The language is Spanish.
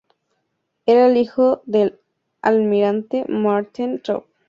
Era el hijo del almirante Maarten Tromp.